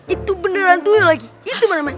itu beneran tuyul lagi itu namanya